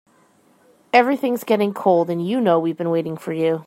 Everything's getting cold and you know we've been waiting for you.